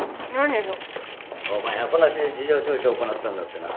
お前アポなしで事情聴取行ったんだってな。